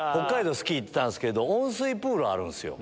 スキー行ったんすけど温水プールあるんすよ。